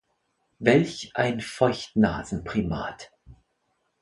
Welch ein Feuchtnasenprimat!